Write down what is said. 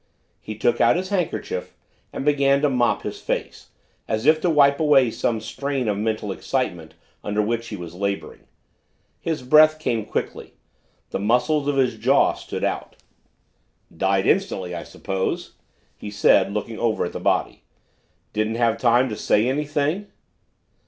He took out his handkerchief and began to mop his face, as if to wipe away some strain of mental excitement under which he was laboring. His breath came quickly the muscles of his jaw stood out. "Died instantly, I suppose?" he said, looking over at the body. "Didn't have time to say anything?"